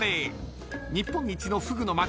［日本一のフグの町